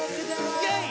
イェイ！